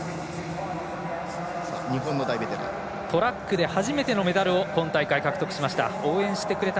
トラックで初めてのメダルを今大会、獲得しました。